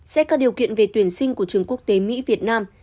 xét các điều kiện về tuyển sinh của trường quốc tế mỹ việt nam